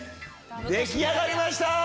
出来上がりました！